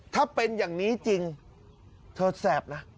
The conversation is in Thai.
ถ้าเป็นอย่างนี้จริงเธอแสบนะ